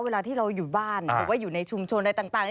เวลาที่เราอยู่บ้านหรือว่าอยู่ในชุมชนอะไรต่าง